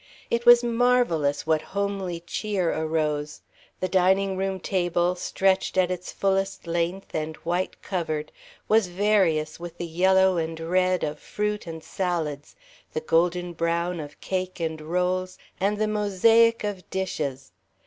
It was marvelous what homely cheer arose. The dining room table, stretched at its fullest length and white covered, was various with the yellow and red of fruit and salads, the golden brown of cake and rolls, and the mosaic of dishes.